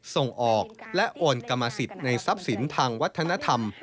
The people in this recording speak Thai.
ส่งออกและโอนกรรมสิทธิ์ในทรัพย์สินทางวัฒนธรรม